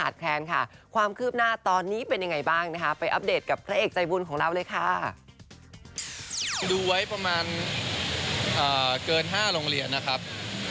ดูไว้ประมาณเกิน๕โรงเรียนนะครับ